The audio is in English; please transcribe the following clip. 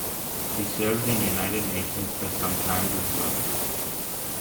He served in united nations for some times as well.